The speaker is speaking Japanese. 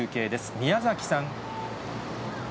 宮崎さん。